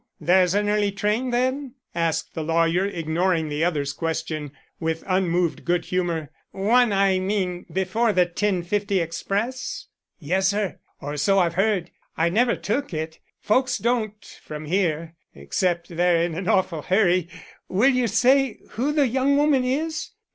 there's an early train then?" asked the lawyer, ignoring the other's question with unmoved good humor. "One, I mean, before the 10:50 express?" "Yes, sir, or so I've heard. I never took it. Folks don't from here, except they're in an awful hurry. Will y'er say who the young woman is?